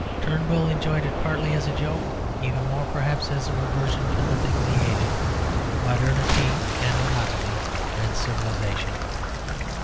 Turnbull enjoyed it partly as a joke, even more perhaps as a reversion from the things he hated modernity and monotony and civilisation.